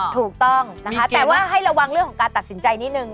ถูกต้องนะคะแต่ว่าให้ระวังเรื่องของการตัดสินใจนิดนึง